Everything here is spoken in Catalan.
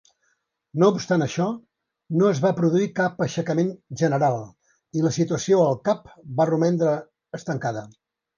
No obstant això, no es va produir cap aixecament general, i la situació al Cap va romandre estancada.